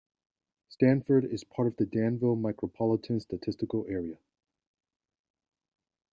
Stanford is part of the Danville Micropolitan Statistical Area.